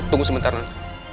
tunggu sebentar non